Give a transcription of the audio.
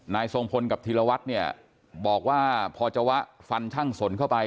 ทรงพลกับธีรวัตรเนี่ยบอกว่าพอจะวะฟันช่างสนเข้าไป